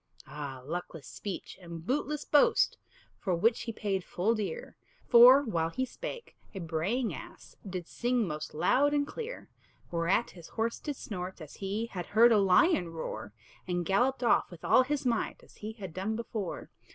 Ah, luckless speech, and bootless boast! For which he paid full dear; For, while he spake, a braying ass Did sing most loud and clear; Whereat his horse did snort, as he Had heard a lion roar, And galloped off with all his might, As he had done before.